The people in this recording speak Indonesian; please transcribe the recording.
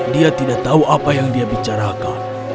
dia tidak tahu apa yang dia bicarakan